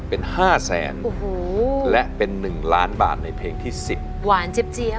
เป็นห้าแสนโอ้โหและเป็นหนึ่งล้านบาทในเพลงที่สิบหวานเจี๊ยบ